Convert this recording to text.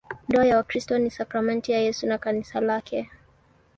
Ndoa ya Wakristo ni sakramenti ya Yesu na Kanisa lake.